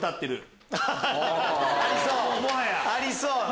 ありそう。